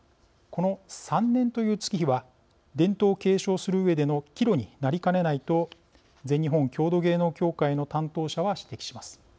この３年という月日は伝統を継承するうえでの岐路になりかねないと全日本郷土芸能協会の担当者は指摘します。